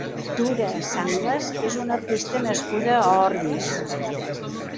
Tura Sanglas és una artista nascuda a Ordis.